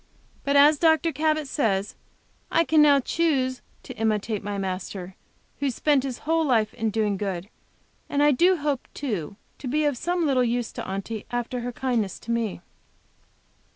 But, as Dr. Cabot says, I can now choose to imitate my Master, who spent His whole life in doing good, and I do hope, too, to be of some little use to Aunty, after her kindness to me.